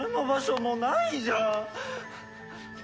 もうないじゃん！